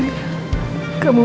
lu udah ngapain